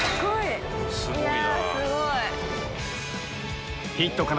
すごいな。